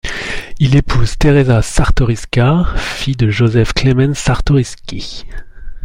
Il épouse Teresa Czartoryska, fille de Józef Klemens Czartoryski.